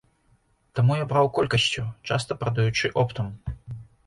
Таму я браў колькасцю, часта прадаючы оптам.